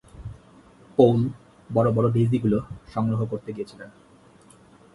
Paul বড় বড় ডেইজিগুলো সংগ্রহ করতে গিয়েছিলেন।